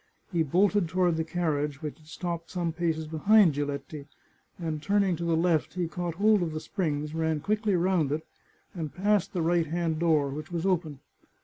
He bolted toward the carriage, which had stopped some paces behind Giletti, and, turning to the left, he caught hold of the springs, ran quickly round it, and past the right hand door, which was open.